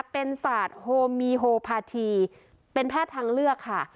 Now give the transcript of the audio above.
เป็นศาสตร์โฮมีโฮพาทีเป็นแพทย์ทางเลือกค่ะ